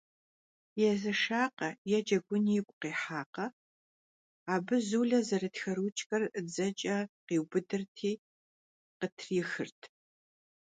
Yêzeşşakhe yê cegun yigu khihakhe, abı Zule zerıtxe ruçker dzeç'e khiubıdırti khıtrixırt.